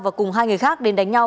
và cùng hai người khác đến đánh nhau